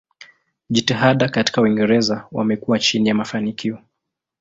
Jitihada katika Uingereza wamekuwa chini ya mafanikio.